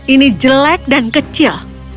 ini jelek dan kecil